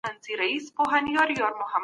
هیڅوک نه سي کولای د بل چا د کار حق واخلي.